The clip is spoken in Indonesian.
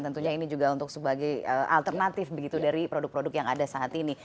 tentunya ini juga untuk sebagai alternatif begitu dari produk produk yang ada saat ini